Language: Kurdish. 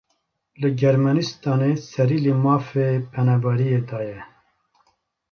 Li Germanistanê serî li mafê penaberiyê daye.